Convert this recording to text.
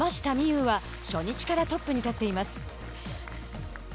有は初日からトップに立っています。